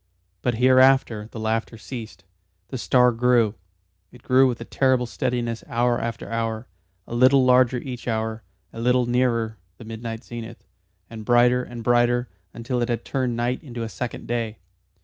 But hereafter the laughter ceased. The star grew it grew with a terrible steadiness hour after hour, a little larger each hour, a little nearer the midnight zenith, and brighter and brighter, until it had turned night into a second day.